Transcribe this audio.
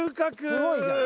すごいじゃん。